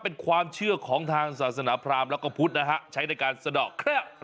เป็นความเชื่อของทางศาสนาพรามแล้วก็พุทธนะฮะใช้ในการสะดอกเคราะห์